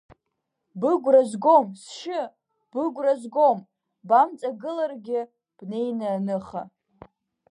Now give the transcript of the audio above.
Быгәра згом, сшьы, быгәра згом, бамҵагыларгьы бнеины аныха.